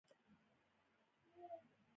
ایا سګرټ څکوئ؟